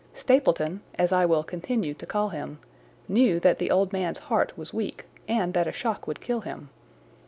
Stapleton, as I will continue to call him, knew that the old man's heart was weak and that a shock would kill him.